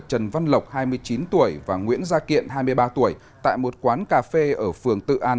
trần văn lộc hai mươi chín tuổi và nguyễn gia kiện hai mươi ba tuổi tại một quán cà phê ở phường tự an